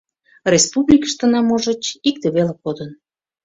Республикыштына, можыч, икте веле кодын.